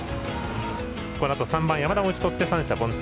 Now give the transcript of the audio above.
このあと、３番山田を打ち取って三者凡退。